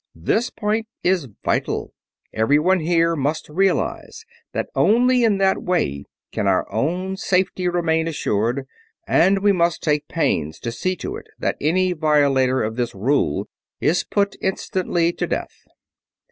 This point is vital; everyone here must realize that only in that way can our own safety remain assured, and must take pains to see to it that any violator of this rule is put instantly to death.